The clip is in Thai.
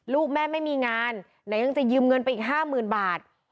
ลูกแม่ไม่มีงานไหนยังจะยืมเงินไปอีก๕๐๐๐บาท